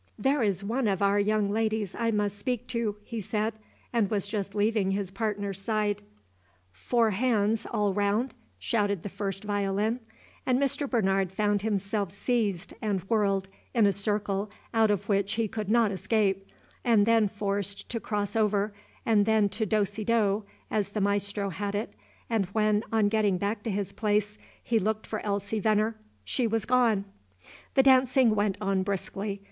"There is one of our young ladies I must speak to," he said, and was just leaving his partner's side. "Four hands all round?" shouted the first violin, and Mr. Bernard found himself seized and whirled in a circle out of which he could not escape, and then forced to "cross over," and then to "dozy do," as the maestro had it, and when, on getting back to his place, he looked for Elsie Venner, she was gone. The dancing went on briskly.